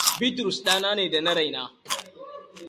Bitrus ɗana ne da na raina.